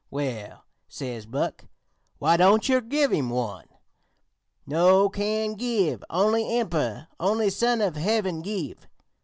"'Well,' says Buck, 'why don't yer give him one?' "'No can give. Only Emplor, only Son of Heaven give.'